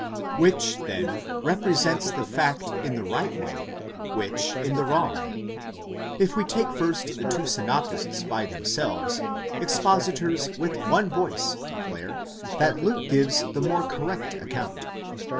§ Which then represents the fact in the right way, which in the wrong? If we take first the two synoptists by themselves, expositors with one voice declare that Luke gives the more correct account.